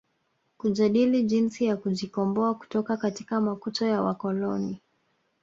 Kujadili jinsi ya kujikomboa kutoka katika makucha ya wakoloni